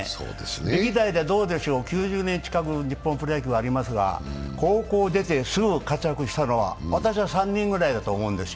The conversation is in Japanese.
歴代でどうでしょう、９０年近く日本プロ野球ありますが高校を出てすぐ活躍したのは、私は３人ぐらいだと思うんです。